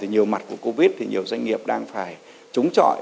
nhiều mặt của covid nhiều doanh nghiệp đang phải trúng trọi